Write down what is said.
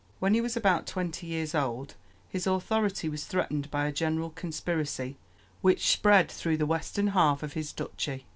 When he was about twenty years old his authority was threatened by a general conspiracy, which spread through the western half of his duchy.